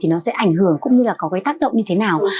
nó sẽ ảnh hưởng cũng như có tác động như thế nào